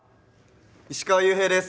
石川裕平です。